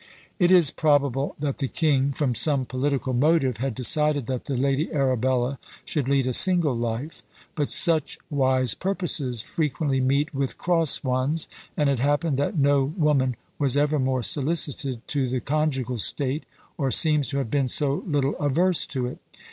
It is probable that the king, from some political motive, had decided that the Lady Arabella should lead a single life; but such wise purposes frequently meet with cross ones; and it happened that no woman was ever more solicited to the conjugal state, or seems to have been so little averse to it.